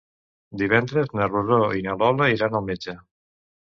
Divendres na Rosó i na Lola iran al metge.